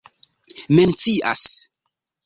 mencias